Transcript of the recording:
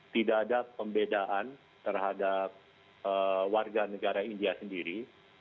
tidak ada pembedaan terhadap warga negara india sendiri